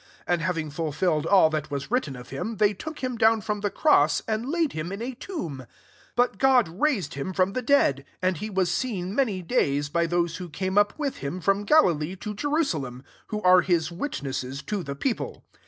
29 And having fulfilled all that was written of him, they took idm down from the cross, and laid him in a tomb. 30 But God raised him from the dead : SI and he was seen many days, by those who came up with him from Galilee to Jerusalem ; who arc his witnesses to the people.